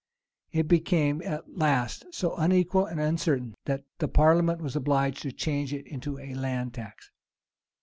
It became at last so unequal and uncertain, that the parliament was obliged to change it into a land tax.